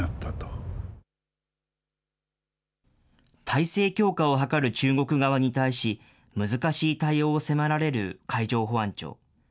体制強化を図る中国側に対し、難しい対応を迫られる海上保安庁。